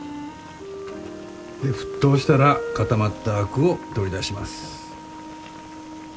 で沸騰したら固まったあくを取り出します。